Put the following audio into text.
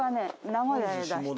名古屋へ出した